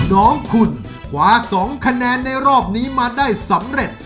น้องคุณขวา๒คะแนนในรอบนี้มาได้สำเร็จ